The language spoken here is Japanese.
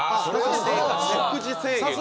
食事制限が。